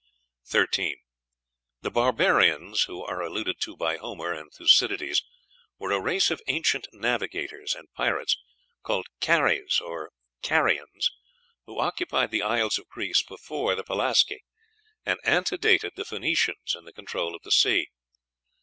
13. The Barbarians who are alluded to by Homer and Thucydides were a race of ancient navigators and pirates called Cares, or Carians, who occupied the isles of Greece before the Pelasgi, and antedated the Phoenicians in the control of the sea.